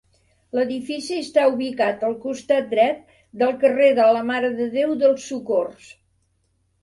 L'edifici està ubicat al costat dret del carrer de la Mare de Déu dels Socors.